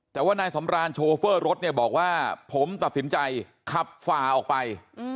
แต่ว่านายสำรานโชเฟอร์รถเนี่ยบอกว่าผมตัดสินใจขับฝ่าออกไป